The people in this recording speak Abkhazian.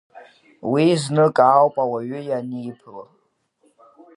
Уи знык ауп ауаҩы ианиԥыло.